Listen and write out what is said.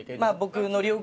僕。